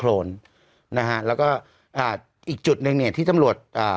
โรนนะฮะแล้วก็อ่าอีกจุดหนึ่งเนี้ยที่ตำรวจอ่า